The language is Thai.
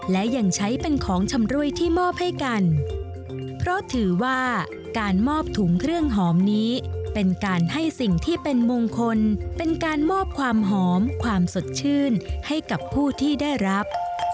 และยังใช้เป็นของชำรุยที่มอบให้กันเพราะถือว่าการมอบถุงเครื่องหอมนี้เป็นการให้สิ่งที่เป็นมงคลเป็นการมอบความหอมความสดชื่นให้กับผู้ที่ได้รับ